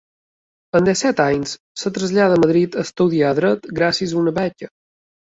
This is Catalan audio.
Amb disset anys es trasllada a Madrid a estudiar dret gràcies a una beca.